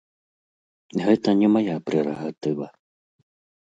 Гэта не мая прэрагатыва.